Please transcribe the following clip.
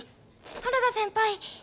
原田先輩。